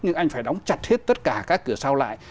nhưng anh phải đóng chặt hết tất cả các cửa sau lại